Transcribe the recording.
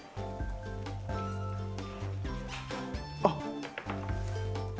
あっ！